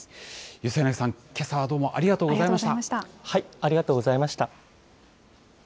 四柳さん、けさはどうもありがとうございました。